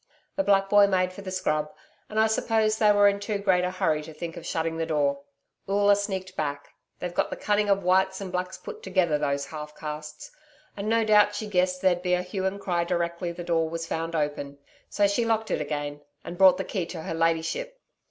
The black boy made for the scrub, and I suppose they were in too great a hurry to think of shutting the door. Oola sneaked back they've got the cunning of whites and blacks put together, those half castes and no doubt she guessed there'd be a hue and cry directly the door was found open. So she locked it again and brought the key to her ladyship.'